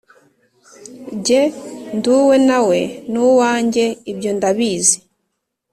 jye nduwe nawe nuwanjye ibyo ndabizi